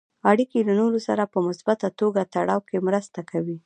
اړیکې له نورو سره په مثبته توګه تړاو کې مرسته کوي.